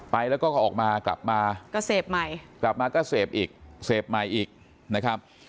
ไปแล้วก็ก็ออกมากลับมาก็เสพใหม่กลับมาก็เสพอีกเสพใหม่อีกนะครับ